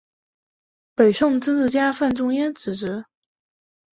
北宋政治家范仲淹子侄。